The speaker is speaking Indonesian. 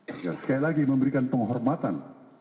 agar sekali lagi memberikan penghormatan